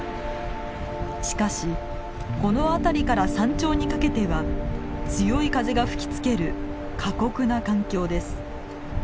しかしこの辺りから山頂にかけては強い風が吹きつける過酷な環境です。